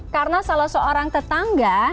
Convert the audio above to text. karena salah seorang tetangga